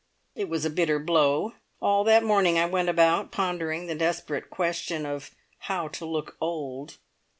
It was a bitter blow. All that morning I went about pondering the desperate question of how to look old.